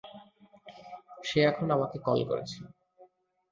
সে এখন আমাকে কল করছে।